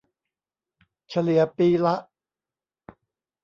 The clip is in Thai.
เฉลี่ยปีละ